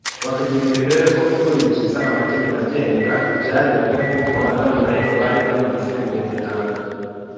bakagira imibereho ikurikiza amategeko agenga ibyaremwe nk’uko Adamu na Eva bari bameze mbere na mbere